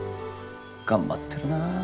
頑張ってるな。